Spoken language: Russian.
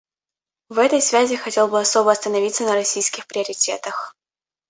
В этой связи хотел бы особо остановиться на российских приоритетах.